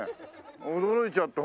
驚いちゃった。